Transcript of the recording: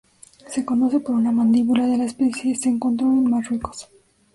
Se conoce por una mandíbula de la especie se encontró en Marruecos.